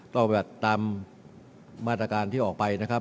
ก็แบบตามมาตรการที่ออกไปนะครับ